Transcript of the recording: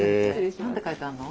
何て書いてあんの？